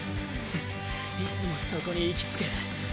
いつもそこに行き着く。